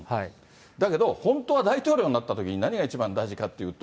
だけど本当は大統領になったときに何が一番大事かっていうと、